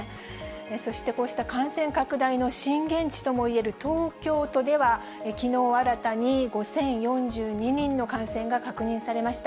そしてこうした感染拡大の震源地とも言える東京都では、きのう新たに５０４２人の感染が確認されました。